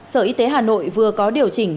sở y tế hà nội vừa có điều chỉnh